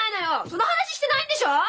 その話してないんでしょ！